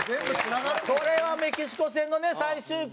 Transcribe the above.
これはメキシコ戦のね最終回。